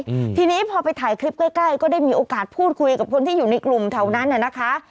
อืมทีนี้พอไปถ่ายคลิปใกล้ใกล้ก็ได้มีโอกาสพูดคุยกับคนที่อยู่ในกลุ่มแถวนั้นน่ะนะคะ